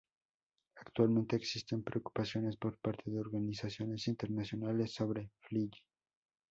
Actualmente existen preocupaciones por parte de organizaciones internacionales sobre Fiyi.